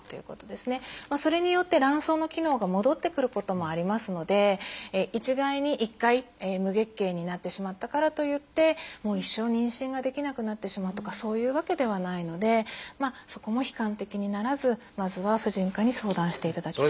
それによって卵巣の機能が戻ってくることもありますので一概に一回無月経になってしまったからといってもう一生妊娠ができなくなってしまうとかそういうわけではないのでそこも悲観的にならずまずは婦人科に相談していただきたいなと。